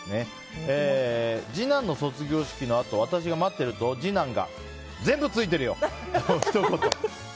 次男の卒業式のあと私が待っていると次男が全部ついてるよ！のひと言。